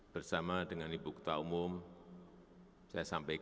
mereka berapokal allah murdering ekoter carlisle